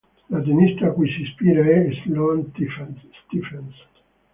La tennista cui si ispira è Sloane Stephens.